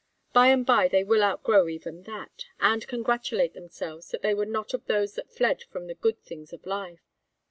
By and by they will outgrow even that, and congratulate themselves that they were not of those that fled from the good things of life."